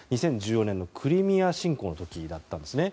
２０１４年のクリミア侵攻の時だったんですね。